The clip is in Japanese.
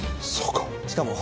そうか。